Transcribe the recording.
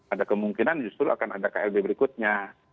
ada kemungkinan justru akan ada klb berikutnya